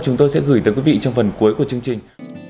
chúng tôi sẽ gửi tới quý vị trong phần cuối của chương trình